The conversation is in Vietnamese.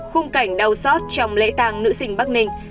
khung cảnh đau xót trong lễ tàng nữ sinh bắc ninh